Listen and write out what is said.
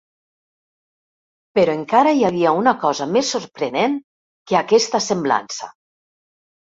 Però encara hi havia una cosa més sorprenent que aquesta semblança.